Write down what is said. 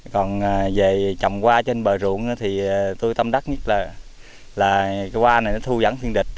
còn về trồng hoa trên bờ ruộng thì tôi tâm đắc nhất là qua này nó thu dẫn thiên địch